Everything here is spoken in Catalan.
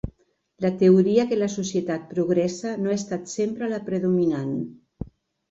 La teoria que la societat progressa no ha estat sempre la predominant.